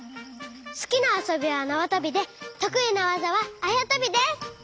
すきなあそびはなわとびでとくいなわざはあやとびです！